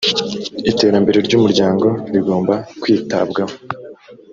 iterambere ry ‘ umuryango rigomba kwitabwaho.